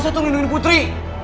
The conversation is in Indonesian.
tante selalu saya nungguin putri